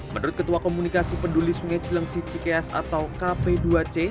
menurut ketua komunikasi penduli sungai cilengsi cikeas atau kp dua c